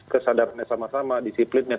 kesadarannya sama sama disiplinnya